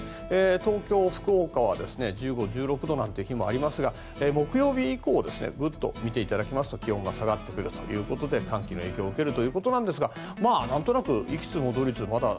東京、福岡は１５度、１６度なんて日もありますが木曜日以降、見ていただくとグッと気温が下がってくるということで寒気の影響を受けるということですがなんとなく行きつ戻りつ